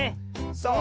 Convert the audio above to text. そう。